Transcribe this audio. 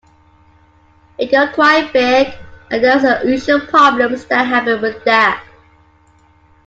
We got quite big, and there are the usual problems that happen with that.